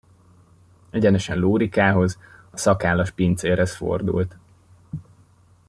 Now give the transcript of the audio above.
Egyenesen Lórikához, a szakállas pincérhez fordult.